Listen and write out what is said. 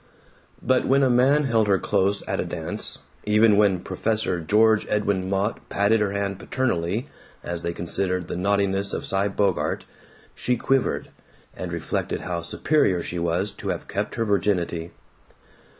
But when a man held her close at a dance, even when "Professor" George Edwin Mott patted her hand paternally as they considered the naughtinesses of Cy Bogart, she quivered, and reflected how superior she was to have kept her virginity.